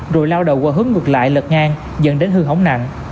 rồi lao động qua hướng ngược lại lật ngang dẫn đến hư hỏng nặng